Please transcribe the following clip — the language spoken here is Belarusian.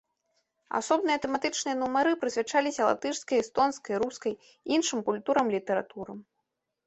Асобныя тэматычныя нумары прысвячаліся латышскай, эстонскай, рускай, іншым культурам і літаратурам.